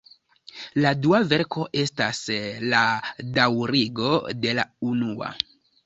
La dua verko estas la daŭrigo de la unua.